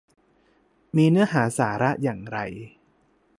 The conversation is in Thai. มีเนื้อหาสาระอย่างไร ?